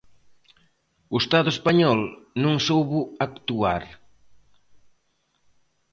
O Estado español non soubo actuar.